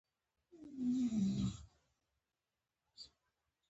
غزني د افغانستان د اقلیمي نظام یو خورا ښه ښکارندوی دی.